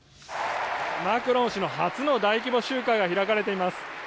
マクロン氏の初の大規模集会が開かれています。